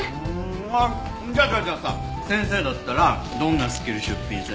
あっじゃあじゃあじゃあさ先生だったらどんなスキル出品する？